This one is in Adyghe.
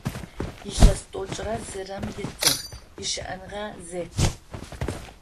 Илъэс тӏокӏрэ зырэм итыгъ ищыӏэныгъэ зетым.